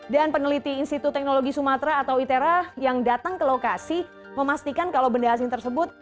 peneliti institut teknologi sumatera atau itera yang datang ke lokasi memastikan kalau benda asing tersebut